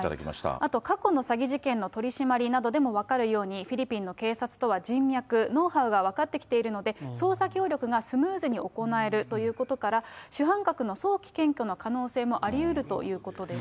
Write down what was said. あと、過去の詐欺事件の取締りなどでも分かるように、フィリピンの警察とは人脈、ノウハウが分かってきているので、捜査協力がスムーズに行えるということから、主犯格の早期検挙の可能性もありうるということです。